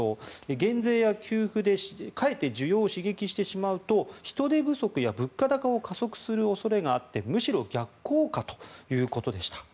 減税や給付でかえって需要を刺激してしまうと人手不足や物価高を加速する恐れがあってむしろ逆効果ということでした。